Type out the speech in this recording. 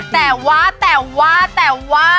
แต่ว่าแต่ว่าแต่ว่า